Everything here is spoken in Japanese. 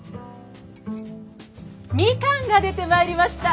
みかんが出てまいりました。